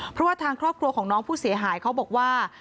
เพราะว่าทางครอบครัวของน้องผู้เสียหายเขาบอกว่า